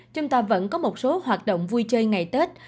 và vẫn có một số hoạt động vui chơi ngày tết